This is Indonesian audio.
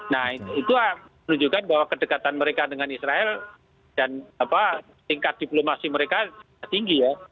nah itu menunjukkan bahwa kedekatan mereka dengan israel dan tingkat diplomasi mereka tinggi ya